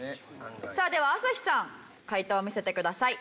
さあでは朝日さん解答を見せてください。